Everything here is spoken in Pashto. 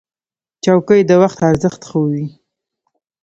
چوکۍ د وخت ارزښت ښووي.